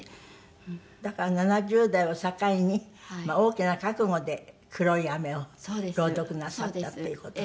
だから７０代を境に大きな覚悟で『黒い雨』を朗読なさったっていう事。